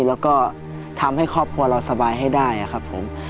แล้วก็ทำให้ครอบครัวเราสบายให้ได้ครับผม